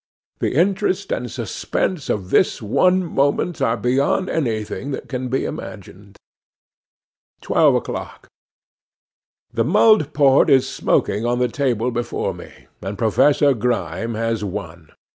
The interest and suspense of this one moment are beyond anything that can be imagined.' 'Twelve o'clock. 'THE mulled port is smoking on the table before me, and Professor Grime has won.